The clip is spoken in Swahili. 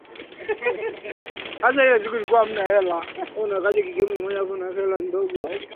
Hakutaka kabisa kugombana na wale wanajeshi wa doria